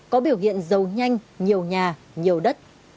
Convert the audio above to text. có biểu hiện dầu nhanh nhiều nhà nhiều đất